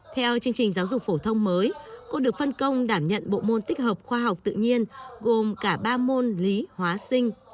theo chương trình giáo dục phổ thông mới cô được phân công đảm nhận bộ môn tích hợp khoa học tự nhiên gồm cả ba môn lý hóa sinh